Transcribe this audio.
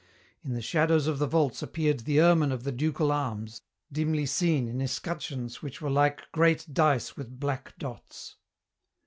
In the shadows of the vaults appeared the ermine of the ducal arms, dimly seen in escutcheons which were like great dice with black dots.